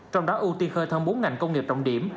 trong đó ưu tiên khơi thông bốn ngành công nghiệp trọng điểm